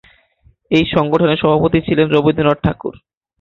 এই সংগঠনের সভাপতি ছিলেন রবীন্দ্রনাথ ঠাকুর।